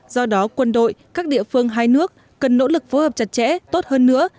do đó quân đội các địa phương hai nước cần nỗ lực phối hợp chặt chẽ tốt hơn nữa